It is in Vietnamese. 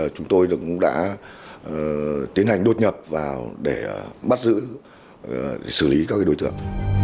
chúng tôi cũng đã tiến hành đột nhập vào để bắt giữ xử lý các đối tượng